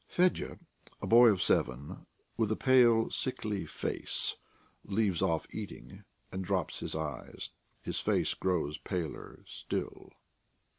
Fedya, a boy of seven with a pale, sickly face, leaves off eating and drops his eyes. His face grows paler still.